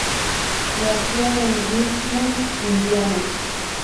Nació en Richmond, Indiana.